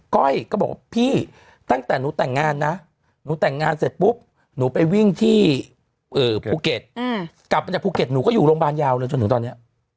ก้อยก็บอกว่าพี่ตั้งแต่หนูแต่งงานนะหนูแต่งงานเสร็จปุ๊บหนูไปวิ่งที่ภูเก็ตกลับมาจากภูเก็ตหนูก็อยู่โรงพยาบาลยาวเลยจนถึงตอนนี้